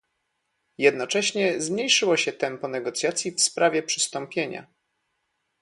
Jednocześnie zmniejszyło się tempo negocjacji w sprawie przystąpienia